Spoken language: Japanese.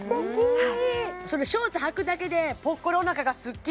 はい